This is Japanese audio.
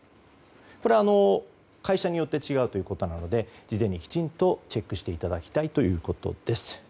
これは会社によって違うということなので事前にきちんとチェックしていただきたいということです。